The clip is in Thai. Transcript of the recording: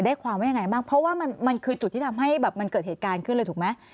ความว่ายังไงบ้างเพราะว่ามันคือจุดที่ทำให้แบบมันเกิดเหตุการณ์ขึ้นเลยถูกไหม